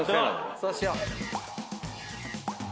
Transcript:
そうしよう。